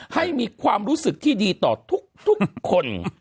ให้มีความรู้สึกที่ดีต่อทุกคน